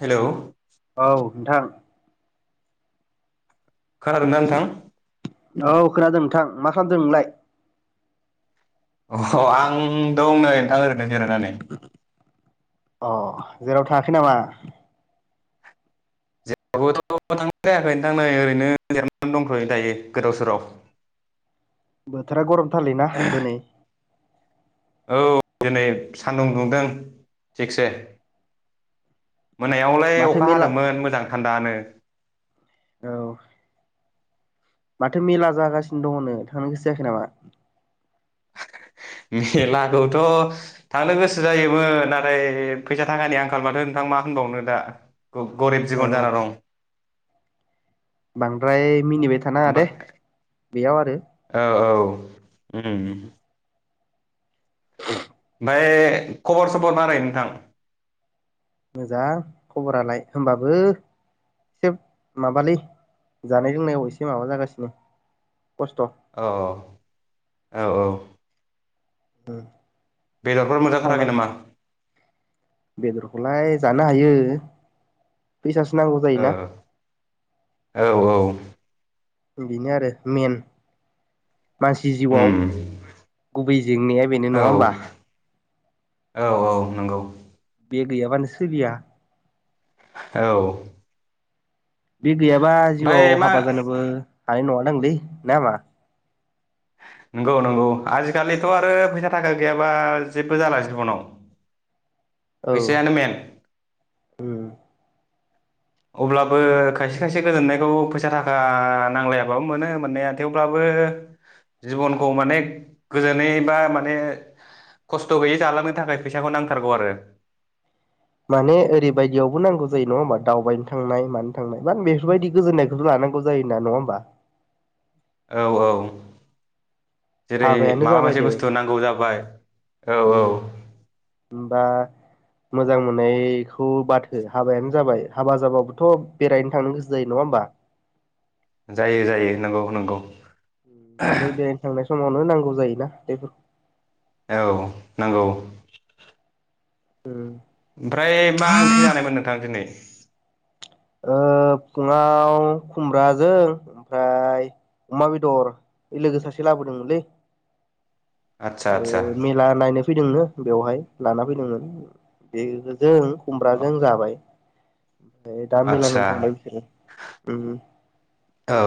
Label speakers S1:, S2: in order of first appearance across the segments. S1: हेल'!
S2: औ नोंथां
S1: खोनादोंना नोंथां
S2: औ खोनादों नोंथां मा खालामदों नोंलाय
S1: अ आं दं नै नोंथां ओरैनो जिरायनानै
S2: अ' जेराव थाङाखै नामा
S1: जेरावबोथ' थांनाय जायाखै नोंथां नै ओरैनो जनानै दंथ'यो दायो गोदाव सोराव [inaudible]
S2: बोथोरा गरमथारलै ना दिनै
S1: औ दिनै सानदुं दुंदों थिखसे मोनायावलाय
S2: माथो
S1: अखा
S2: मेला
S1: हादोंमोन मोजां थान्दानो
S2: औ माथो मेला जागासिनो दङनो थांनो गोसो जायाखै नामा?
S1: मेलाखौथ' थांनो गोसो जायोमोन नाथाय फैसा थाखानि आंखाल माथो नोंथां मा होनबावनो दा गरिब
S2: औ
S1: जिबन जाना दं ‌।
S2: बांद्राय मिनिबाय थानाङा दे
S1: ओमफाय
S2: बेयाव आरो
S1: औ ओम ओमफाय
S2: [inaudible]
S1: ओमफाय खबर सबर मारै नोंथां
S2: मोजां खबरालाय होमबाबो [unintelligible] माबालै जानाय लोंनायाव एसे माबा जागासिनो खस्थ'
S1: औ औ औ औ
S2: [inaudible]
S1: बेदरफोर मोनजाथाराखै
S2: संनानै
S1: नामा?
S2: बेदरखौलाय जानो हायो फैसासो नांगौ
S1: औ
S2: जायोना
S1: [inaudible]
S2: बेनो आरो मेन । मानसि
S1: उम
S2: जिउआव गुबै जेंनाया बेनो
S1: औ
S2: नङा होमबा
S1: औ औ नंगौ
S2: बे गैयाबानो सोलिया
S1: औ
S2: बे गैयाबा
S1: ओमफ्राय
S2: जिउआव
S1: मा
S2: हाबा जानोबो हानाय नङादांलै ना मा?
S1: नंगौ नंगौ आजिखालिथ आरो फैसा थाखा गैयाबा जेबो जाला जिबनाव [unintelligible]
S2: औ
S1: फैसायानो मेन
S2: उम
S1: अब्लाबो खायसे खायसे गोजोननायखौ फैसा थाखा नांलायाबाबो मोनो मोननाया थेवब्लाबो जिबनखौ माने गोजोनै बा माने खस्थ गैयै जालांनो थाखाय फैसाखौ नांथारगौ आरो
S2: माने ओरैबायदियावबो नांगौ जायो नङा होमबा दावबायनो थांनाय मानो थांनाय मा बेफोरबायदि गोजोननायखौबो ला- नांगौ जायो नङा होमबा
S1: [unintelligible] औ औ जेरै
S2: हाबायानो
S1: माबा
S2: जाबाय
S1: मोनसे
S2: दे
S1: बुस्थु नांगौ जाबाय औ औ
S2: बा मोजां मोननायखौ बाथ हो हाबायानो जाबाय हाबा जाबाबोथ' बेरायनो थांनो गोसो जायो नङा होमबा
S1: जायो जायो नंगौ नंगौ
S2: नै बेरायनो थांनाय समावनो नांगौ जायोना बेफोर
S1: औ नंगौ
S2: उम
S1: ओमफ्राय मा ओंख्रि जानायमोन नोंथाङा दिनै
S2: ओ फुङाव खुमब्राजों ओमफ्राय अमा बेदर इ लोगो सासे लाबोदोंमोनलै
S1: आदसा आदसा
S2: ओ मेला नायनो फैदोंनो बेवहाय लाना फैदोंमोन बेजों खुमब्राजों जाबाय ओमफ्राय दा मेला
S1: आदसा
S2: नायनो थांबाय बिसोरो उम
S1: औ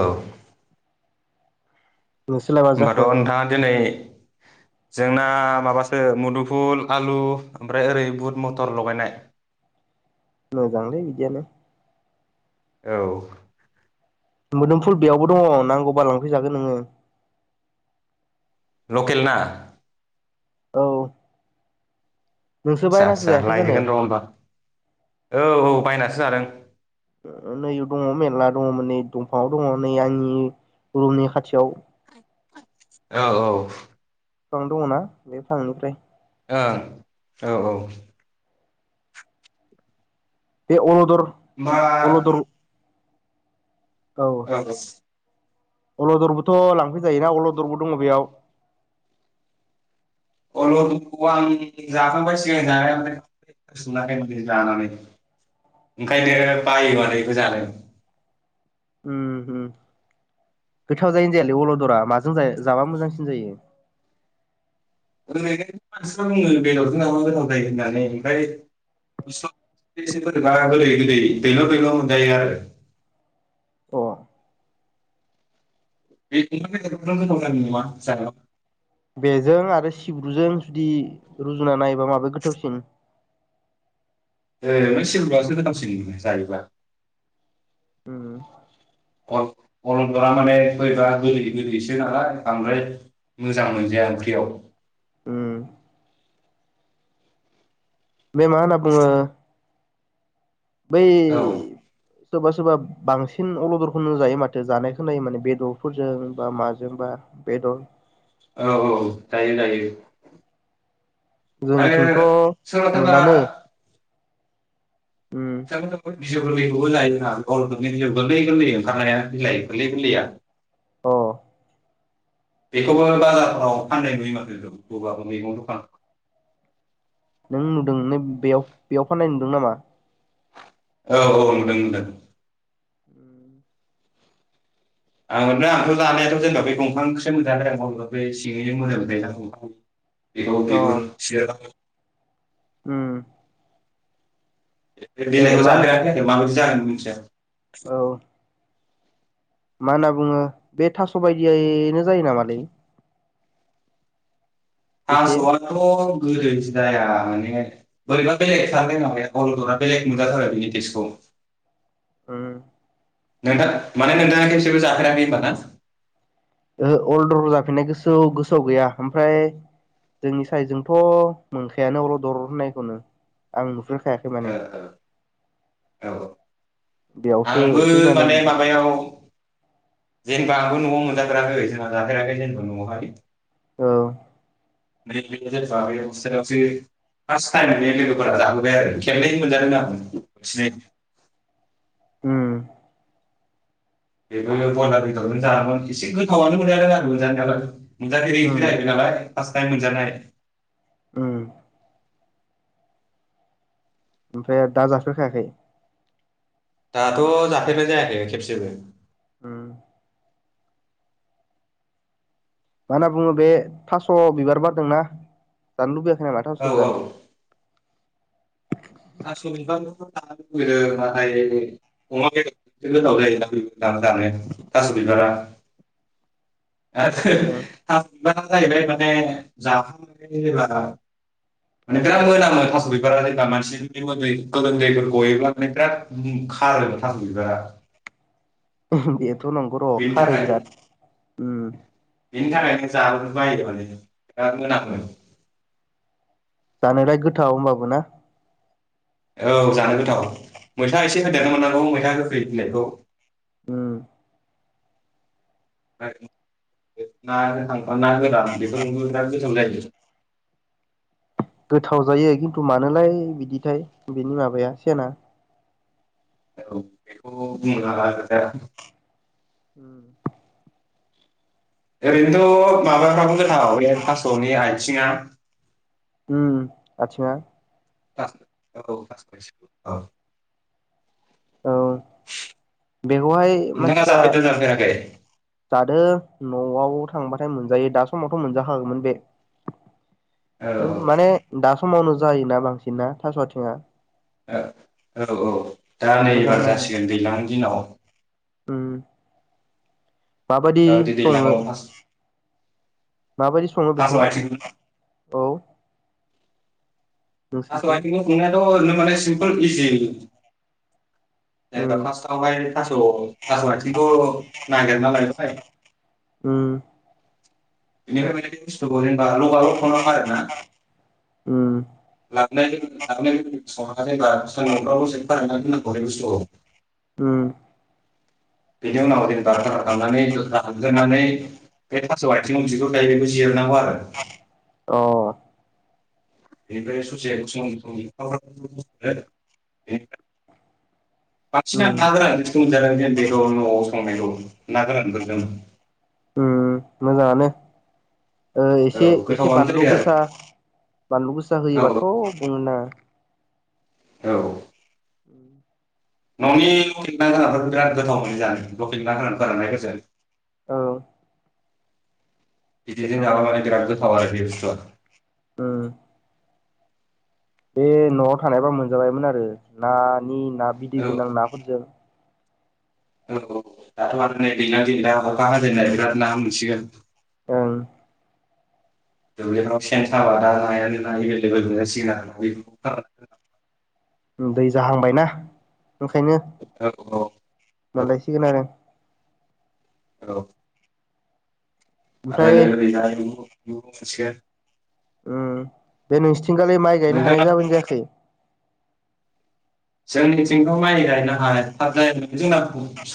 S2: नोंसोरलाय मा
S1: होमबाथ'
S2: जाखो
S1: नोंथाङा दिनै जोंना माबासो मुदुफुल आलु ओमफ्राय ओरै बुट मटर लगायनाय
S2: मोजांलै बिदियानो
S1: औ
S2: मोदोमफुल बेयावबो दङ' नांगौबा लांफैजागोन नोङो
S1: लकेल ना
S2: औ नोंसो
S1: आदसा
S2: बायनासो
S1: आदसा
S2: जायाखै जानो
S1: लायगोन र' होमबा औ औ बायनासो जादों
S2: उम उम नैआव दङ' मेनला दङ'मोन नै दंफाङाव दङ' नै आंनि रुमनि खाथियाव
S1: औ औ
S2: फिफां दङ'ना बे फिफांनिफ्राय
S1: ओं औ औ
S2: बे अलदर
S1: मा
S2: अलदर औ
S1: [inaudible]
S2: अलदरबोथ' लांफै जायोना अलदरबो दङ' बेयाव
S1: अलदरखौबो आं जाखांबाय सिगां जानायालाय [inaudible] जानानै ओंखायनो बायोथाय बेखो जानो
S2: उम होम गोथाव जायोना जायालै अलदरा माजों जाय- जाबा मोजांसिन जायो
S1: ओरैनो मानसिफ्रा बुङो बेदरजों जाबा मोजां जायो होननानै ओमफ्राय [inaudible] बोरैबा गोदै गोदै दैल' दैल' मोनजायो आरो
S2: अ
S1: [inaudible] जानायाव
S2: बेजों आरो सिब्रुजों जुदि रुजुना नायोबा माबे गोथावसिन
S1: ओरैनो सिब्रुआसो गोथावसिन जायोबा
S2: उम
S1: अल अलदरा माने बोरैबा गोदै गोदैसो नालाय बांद्राय मोजां मोनजाया ओंख्रियाव
S2: उम बे मा होनना बुंङो बै
S1: औ
S2: सोरबा सोरबा बांसिन अलदरखौनो जायो माथो जानाय खोनायो माने बेदरफोरजों बा माजों बा बेदर
S1: औ औ जायो जायो आरो
S2: जोंथिंथ'
S1: सोरबा
S2: मोनानो उम
S1: [inaudible] बिजौ गोललैखौबो जायोना भल दो बिजौ गोललै गोललै ओंखारनाया बिलाइ गोललै गोललैया
S2: अ
S1: बेखौबो बाजारफोराव फाननाय नुयो माथो इखोबो बबा फोर मैगं दखान
S2: नों नुदों न बेयाव बेयाव फाननाय नुदों नामा?
S1: औ औ नुदों नुदों ।
S2: उम
S1: [unintelligible] बेखौ
S2: अ
S1: बिगुर सेयार
S2: उम
S1: बे
S2: ओ
S1: बिलाइखौ
S2: मा होनो
S1: जाफेराखै माबायदि जागोन मिथिया ।
S2: औ मा होनना बुङो बे थास' बायदियैनो जायो नामालै? एसे
S1: थास'आथ गोदो जाया माने बोरैबा बेलेग थारलै माबाया अल'दरा बेलेग मोनजाथारो बेनि टेसखौ । [inaudible]
S2: उम
S1: नोंथां माने नोंथाङा खेबसेबो जाफेराखै होनबा ना?
S2: ओहो अलदर जाफेरनाय गोसोआव गोसोआव गैया ओमफ्राय जोंनि साइदजोंथ' मोनखायानो अल'दर होननायखौनो आं नुफ खायाखै माने
S1: ओ ओ औ
S2: बेयावसो
S1: आंबो
S2: फैनानै
S1: माने
S2: नुदों
S1: माबायाव जेनबा आंबो न'आव मोनजाफेराखै जोंहा जाफेराखै जेनबा न'आवहाय
S2: औ
S1: [unintelligible] फार्स्ट टाइम बे लोगोफोरा जाहोबाय आरो खेबनै मोनजादों आं बोथिनै
S2: उम
S1: बेबो बयलार बेदरजों जादोंमोन एसे गोथावानो मोनजादों आंबो जानायावलाय ।
S2: उम
S1: मोनजाफेरैसो जाहैदों नालाय फार्स्ट टाइम मोनजानाय।
S2: उम ओमफ्राय दा जाफेरखायाखै?
S1: दाथ' जाफेरनाय जायाखै खेबसेबो ।
S2: उम मा होनना बुङो बे थास' बिबार बारदोंना जानो लुबैया खोनादोंना थास
S1: औ
S2: बिबार?
S1: औ थास' बिबार खौथ' जानो लुबैदों नाथाय अमा बेदरजोंसो गोथाव जायोना थास' बिबारा जानो थास' बिबारा [unintelligible] थास' बिबारा जाहैबाय माने जाखांनानै जेनेबा माने बिराद मोनामो थास' बिबारा जेनबा मानसिनिफाय दै गोलोमदैफोर गयोब्लाा माने बिराद म खारोनो थास' बिबारा।
S2: उहोम बेथ' नंगौर'
S1: बेनि
S2: खारो
S1: थाखाय
S2: बिराद उम
S1: बेनि थाखायनो जानो बायो माने बिराद मोनामो ।
S2: जानोलाय गोथाव होमबाबो ना ।
S1: औ जानो गोथाव मैथा एसे होदेरनो मोननांगौ मैथा गोखै बिलायखौ ।
S2: उम
S1: [unintelligible] ना गोथां बा गोरान बेफोरजोंबो बिराद गोथाव जायो । [inaudible]
S2: गोथाव जायो खिन्थु मानोलाय बिदिथाय बेनि माबाया सेना?
S1: औ बेखौ बुंनो हाला
S2: उम
S1: ओरैनोथ' माबाफ्राबो गोथाव बे थास'नि आथिंङा ।
S2: उम आथिंङा ।
S1: [unintelligible]
S2: औ
S1: [inaudible]
S2: बेखौहाय
S1: नोंथाङा
S2: मानसिफोरा
S1: जाफेरदों जाफेराखै
S2: जादो न'आव थांबाथाय मोनजायो दा समावथ' मोनजाखागोमोन बे
S1: औ
S2: माने दा स समावनो जायोना बांसिन ना थास' आथिङा।
S1: औ औ औ दा नै
S2: मोजां
S1: एबार
S2: नाङो
S1: जासिगोन दैज्लांनि दिनाव
S2: उम। माबायदि
S1: दाबायदि
S2: सङो
S1: दैज्लाङाव फार्स्ट
S2: माबायदि सङो
S1: थास'
S2: बेखौ
S1: आथिं
S2: औ।
S1: थास'
S2: नोंसिनिथिं
S1: आथिंखौ संनायाथ' ओरैनो माने सिमपोल इजि जेनेबा
S2: उम
S1: फार्स्टावहाय थास' थास' आथिंखौ नागिरना लायबाय
S2: उम।
S1: बेनिफ्राय बे बुस्थुखौ जेनेबा लगालग संनाङा आरोना
S2: उम
S1: लाबनाय लोगो लाबोनाय लोगो लोगोनो संना नायबा सान्दुंफोराव फोरानना दोननांगौ बे बुस्थुखौ
S2: उम।
S1: बिनि उनाव जेनेबा [unintelligible] बे थास' आथिंङाव बिगुर थायो बिखौ जिरनांगौ आरो।
S2: अ।
S1: बेनिफ्राय ससे [unintelligible] [inaudible] बांसिनना
S2: उम
S1: ना गोरानजोंसो मोनजादों बेखौ न'आव संनायखौ ना गोरानफोरजों। [inaudible]
S2: उम मोजाङानो। ओ
S1: औ
S2: एसे एसे
S1: गोथावानो
S2: बानलु
S1: जायो
S2: गोसा बानलु गोसा होयोबाथ'
S1: आरो
S2: बुंनो नाङा।
S1: औ। न'नि [unintelligible] गोरानफोरखौ बिराद गोथाव मोनो जानो लकेल ना गोरान फोराननायफोरजों
S2: औ।
S1: बिदिजों जाबा माने बिराद गोथाव आरो बे बुस्थुआ ।
S2: ओं बे न'आव थानायबा मोनजाबायमोन आरो नानि ना बिदै
S1: औ
S2: गोनां नाफोरजों
S1: औ दाथ' आरो नै दैज्लां दिन ना अखा हाजेननाय बिराद ना मोनसिगोन।
S2: ओं।
S1: [inaudible] दुब्लिफ्राव सेन साबा दा नायानो ना एभेलेबेल मोनजासिगोन आरो [unintelligible]
S2: दै जाहांबायना ओंखायनो
S1: औ औ
S2: मोनलायसिगोन आरो।
S1: औ।
S2: ओमफ्राय
S1: [unintelligible]
S2: ओं बे नोंसोरथिगालि माइ गायनो
S1: नोंथाङा
S2: हानाय जाबायना जायाखै?
S1: जोंनिथिंथ' माइ गायनो हाथाव जायाखै जोंना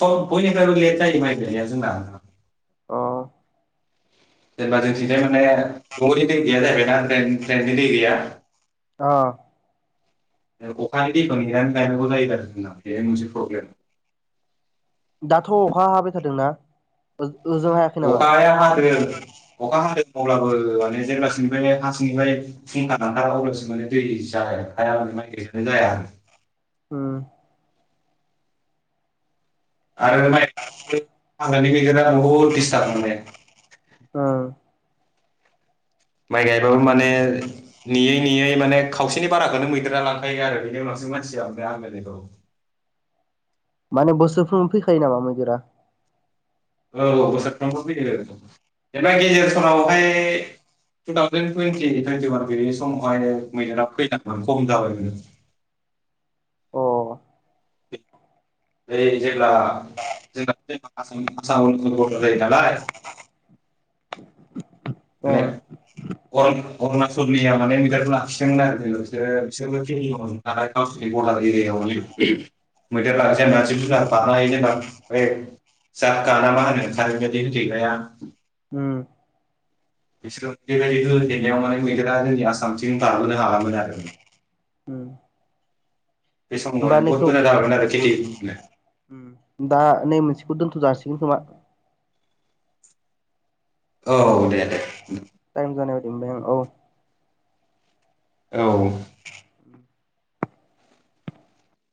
S1: सब बयनिफ्रायबो लेट जायो माइ गायनाया। जोंना ।
S2: अ
S1: जेनेबा जोंनिथिंजाय माने दंगनि दै गैया जाहैबायना द्रेन ट्रेननि दै गैया।
S2: अ।
S1: अखानि दैखौ नेनानै गायनांगौ जायो आरोना बेहाय मोनसे प्रब्लेम। [inaudible]
S2: दाथ' अखा हाबाय थादोंना ओ
S1: अखाया हादों अखा हादों। अब्लाबो माने जेब्लासिमनिफ्रायनो हासिंनिफ्रायनो फुंखा लांथारा अब्लासो माने दै जा ओंखारा मा [unintelligible] जाया आरो ।
S2: उम।
S1: आरो माइ हाग्रानि गादेरा बहुद दिस्टार्ब मोनो।
S2: ओं
S1: माइ गायबाबो माने नेयै नेयै माने खावसेनि बाराखौनो मैदेरा लांखायो आरो बिनि उनावसो मानसिया मोनो आग्लानायखौ ।
S2: माने बोसोरफ्रोमबो फैखायो नामा मैदेरा
S1: औ औ बोसोरफ्रामबो फैयो एबा गेजेर समावहाय टु थावजेन टुइन्टि टुइन्टिवान बे समावहाय मैदेरा फैनाया खम जाबायमोन
S2: अ ओं
S1: [unintelligible] बै जेब्ला जोंना आसाम आसाम भुतान बरडार जायो नालाय [inaudible]
S2: अ
S1: माने अरुणाचलनिया माने मैदेर लाखिसोन आरो बिसोर बिसोरबो [unintelligible] गावसि बरडार एरियायावल मैदेरफ्रा जेनेबा जिब जुनार बारनो हायो जेनेबा बे जाखा नामा होनो नोंथां बेबायदि होथैग्राया
S2: उम
S1: बिसोर बेबायदि होथेनायाव माने मैदेरा जोंनि आसामथिं बारबोनो हालामोन आरो माने
S2: [inaudible]
S1: बे समाव
S2: होमबा
S1: बहुद
S2: नैखौ
S1: मोजां जाबायमोन आरो [unintelligible] थिनो
S2: उम दा नै मोनसेखौ दोन्थ'जासिगोन खोमा
S1: औ दे दे उम
S2: टाइम जानायबायदि मोनबाय आं औ
S1: औ